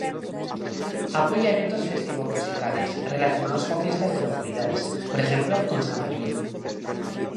Apoya eventos festivo-musicales, relacionados con fiestas de localidades, por ejemplo con San Fermín.